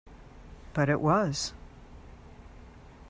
But it was.